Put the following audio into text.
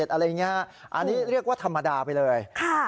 อันนี้เรียกว่าธรรมดาไปเลย